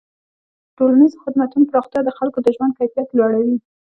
د ټولنیزو خدمتونو پراختیا د خلکو د ژوند کیفیت لوړوي.